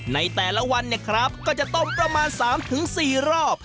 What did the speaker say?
ในแต่ละวันก็จะต้มประมาณ๓๔รอบ